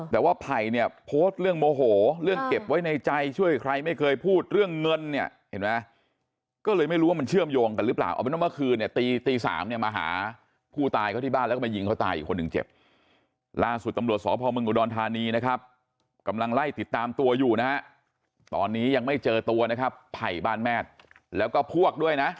แต่ว่าไผ่เนี่ยโพสต์เรื่องโมโหเรื่องเก็บไว้ในใจช่วยใครไม่เคยพูดเรื่องเงินเนี่ยเห็นไหมก็เลยไม่รู้ว่ามันเชื่อมโยงกันหรือเปล่าเอาเป็นว่าเมื่อคืนเนี่ยตีตีสามเนี่ยมาหาผู้ตายเขาที่บ้านแล้วก็มายิงเขาตายอีกคนหนึ่งเจ็บล่าสุดตำรวจสพมอุดรธานีนะครับกำลังไล่ติดตามตัวอยู่นะฮะตอนนี้ยังไม่เจอตัวนะครับไผ่บ้านแมทแล้วก็พวกด้วยนะ